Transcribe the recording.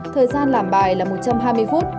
thời gian làm bài là một trăm hai mươi phút